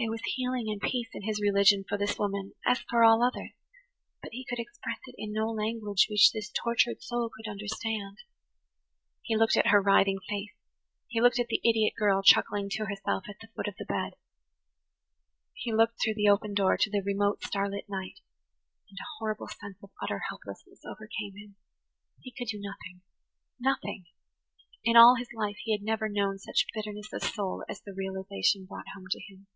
There was healing and peace in his religion for this woman as for all others, but he could express it in no language which this tortured soul could understand. He looked at her writhing face; he looked at the idiot girl chuckling to herself at the foot of the bed; he looked through the open door to the remote, starlit night–and a horrible sense of utter helplessness overcame him. He could do nothing–nothing! In all his life he had never known such bitterness of soul as the realization brought home to him.